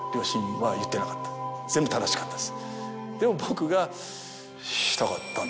全部正しかったですでも僕が。